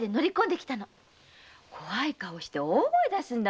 怖い顔して大声出すのよ。